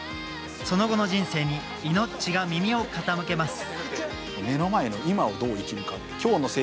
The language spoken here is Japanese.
その後の人生にイノッチが耳を傾けます。